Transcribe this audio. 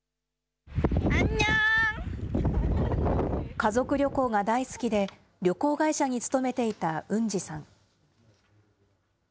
家族旅行が大好きで、旅行会社に勤めていたウンジさん。